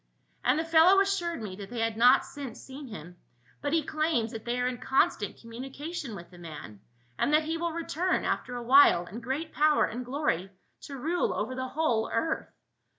" And the fellow assured me that they had not since THE KING OF THE JEWS. 249 seen him ; but he claims that they are in constant com munication with the man, and that he will return after awhile in great power and glory to rule over the whole earth."